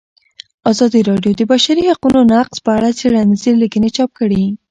ازادي راډیو د د بشري حقونو نقض په اړه څېړنیزې لیکنې چاپ کړي.